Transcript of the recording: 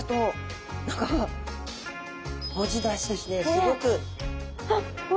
すごく。